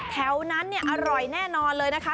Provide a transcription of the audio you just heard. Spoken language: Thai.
แถวนั้นเนี่ยอร่อยแน่นอนเลยนะคะ